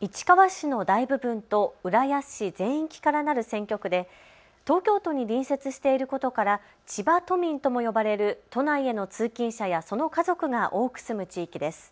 市川市の大部分と浦安市全域からなる選挙区で東京都に隣接していることから千葉都民とも呼ばれる都内への通勤者やその家族が多く住む地域です。